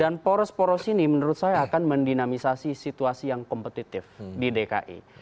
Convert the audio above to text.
dan poros poros ini menurut saya akan mendinamisasi situasi yang kompetitif di dki